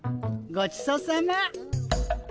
ごちそうさま。